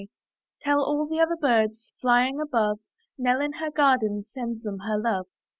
Tell all the other birds, Flying above, Nell, in the garden. Sends them her love.